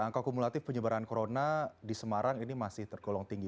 angka kumulatif penyebaran corona di semarang ini masih tergolong tinggi